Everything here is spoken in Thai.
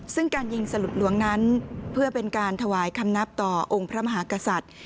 ซึ่งการยิงสลุดหลวงนั้นเพื่อเป็นการถวายคำนับต่อองค์พระมหากษัตริย์